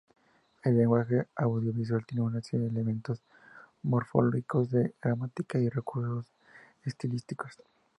El lenguaje audiovisual tiene una serie de elementos morfológicos, de gramática y recursos estilísticos.